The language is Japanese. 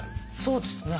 そうですね。